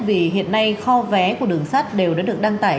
vì hiện nay kho vé của đường sắt đều đã được đăng tải